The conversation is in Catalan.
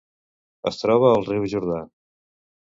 Es troba al riu Jordà.